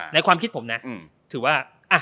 ในความคิดผมนะถือว่า